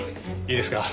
いいですか？